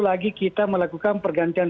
lagi kita melakukan pergantian